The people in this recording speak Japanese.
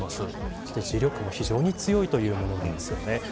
そして磁力も非常に強いというものなんですよね。